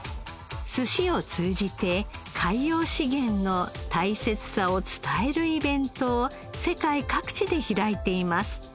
寿司を通じて海洋資源の大切さを伝えるイベントを世界各地で開いています。